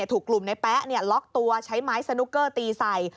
ถูกกลุ่มในแป๊ะล็อกตัวใช้ไม้สนุกเกอร์ตีใส่